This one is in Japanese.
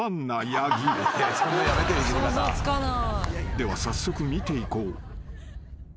［では早速見ていこう］